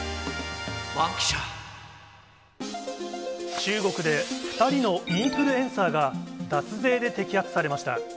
中国で２人のインフルエンサーが脱税で摘発されました。